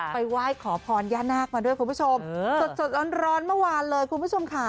ไหว้ขอพรย่านาคมาด้วยคุณผู้ชมสดร้อนเมื่อวานเลยคุณผู้ชมค่ะ